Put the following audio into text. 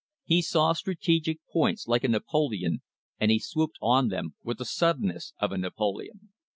He saw strategic points like a Napoleon, and he swooped on them with the suddenness of a Napoleon.